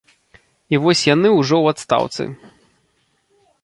І вось яны ўжо ў адстаўцы.